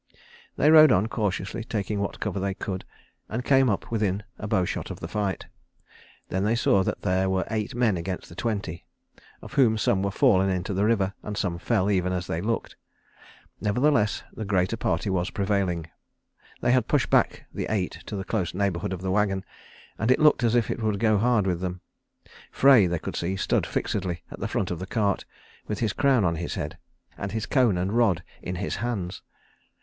They rode on cautiously, taking what cover they could, and came up within a bowshot of the fight. Then they saw that there were eight men against the twenty, of whom some were fallen into the river, and some fell even as they looked. Nevertheless, the greater party was prevailing. They had pushed back the eight to the close neighbourhood of the wagon, and it looked as if it would go hard with them. Frey, they could see, stood fixedly in the front of the cart with his crown on his head, and his cone and rod in his hands.